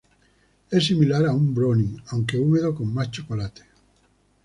Es similar a un brownie, aunque húmedo con más chocolate.